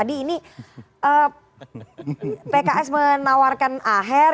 ini pks menawarkan aher